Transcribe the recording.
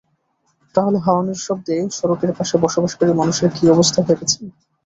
তাহলে হর্নের শব্দে সড়কের পাশে বসবাসকারী মানুষের কী অবস্থা ভেবেছেন?